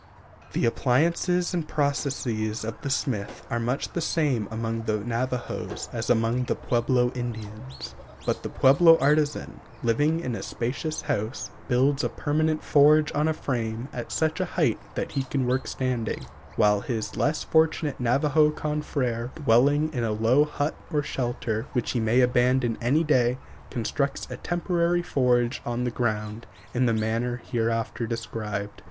The appliances and processes of the smith are much the same among the Navajos as among the Pueblo Indians. But the Pueblo artisan, living in a spacious house, builds a permanent forge on a frame at such a height that he can work standing, while his less fortunate Navajo confr├©re, dwelling in a low hut or shelter, which he may abandon any day, constructs a temporary forge on the ground in the manner hereafter described.